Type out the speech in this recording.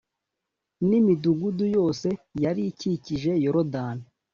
n imidugudu yose yari ikikije yorodani